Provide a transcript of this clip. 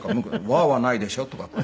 「“わっ！”はないでしょ」とかって。